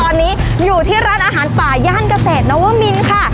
ตอนนี้อยู่ที่ร้านอาหารป่าย่านเกษตรนวมินค่ะ